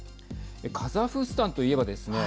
カザフスタンといえばですね